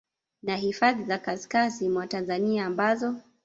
na hifadhi za kaskazi mwa Tanzania ambazo